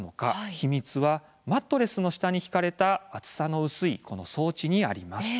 秘密はマットレスの下に敷かれた厚さの薄い装置にあります。